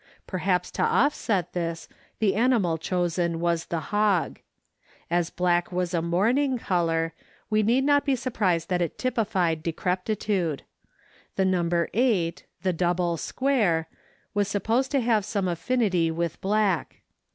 Perhaps to offset this the animal chosen was the hog. As black was a mourning color, we need not be surprised that it typified decrepitude. The number eight, the double square, was supposed to have some affinity with black.